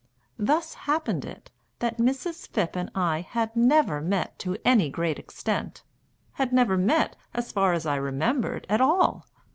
Thus happened it that Mrs. Phipp and I Had never met to any great extent, Had never met, as far as I remembered, At all....